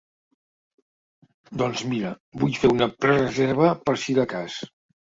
Doncs mira, vull fer una prereserva per si de cas.